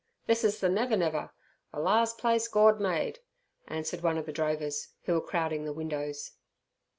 "This is ther Never Never ther lars' place Gord made," answered one of the drovers who were crowding the windows.